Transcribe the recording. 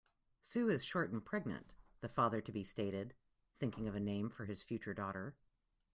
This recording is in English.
"Sue is short and pregnant", the father-to-be stated, thinking of a name for his future daughter.